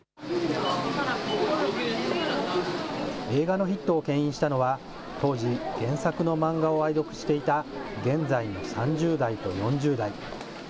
映画のヒットをけん引したのは、当時、原作の漫画を愛読していた現在の３０代と４０代。